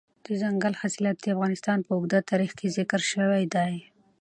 دځنګل حاصلات د افغانستان په اوږده تاریخ کې ذکر شوی دی.